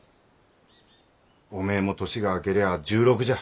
おめえも年が明けりゃあ１６じゃ。